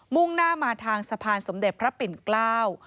่งหน้ามาทางสะพานสมเด็จพระปิ่นเกล้า